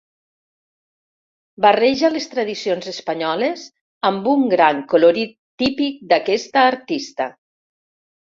Barreja les tradicions espanyoles amb un gran colorit típic d'aquesta artista.